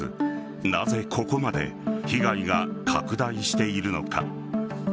なぜここまで被害が拡大しているのか。